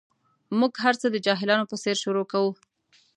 موږ هر څه د جاهلانو په څېر شروع کوو.